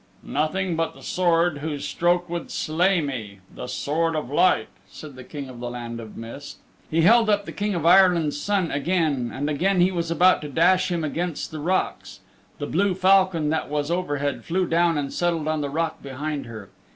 "Nothing but the sword whose stroke would slay me the Sword of Light," said the King of the Land of Mist. He held up the King of Ireland's Son again, and again he was about to dash him against the rocks. The blue falcon that was overhead flew down and settled on the rock behind her.